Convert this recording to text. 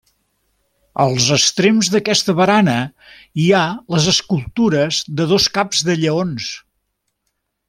Als extrems d'aquesta barana hi ha les escultures de dos caps de lleons.